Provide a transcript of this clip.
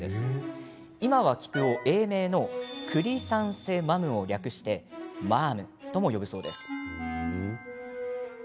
今は、菊を英名のクリサンセマムを略してマムと呼ぶそうです。